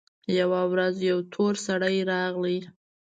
يوه ورځ يو تور سړى راغى.